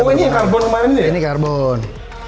oh ini yang karbon kemarin ya ini karbon